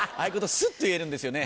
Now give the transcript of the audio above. スッと言えるんですよね。